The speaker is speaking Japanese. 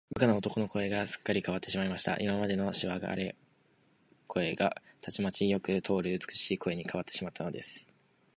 部下の男の声が、すっかりかわってしまいました。今までのしわがれ声が、たちまちよく通る美しい声にかわってしまったのです。